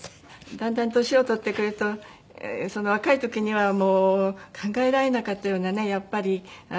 だんだん年を取ってくると若い時には考えられなかったようなね事。